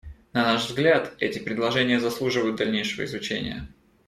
На наш взгляд, эти предложения заслуживают дальнейшего изучения.